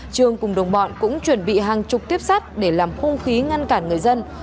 trương cùng đồng bọn cũng chuẩn bị hàng chục tiếp sát để làm khung khí ngăn cản người dân